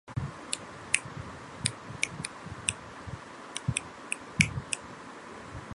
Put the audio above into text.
এর ফলে কেবল বেজোড় মৌলিক সংখ্যা বিশিষ্ট ঘাতের জন্যে উপপাদ্যটি প্রমাণ করা বাকি থাকে।